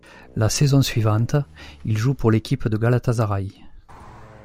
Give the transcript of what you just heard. La saison suivante, il joue pour l'équipe de Galatasaray.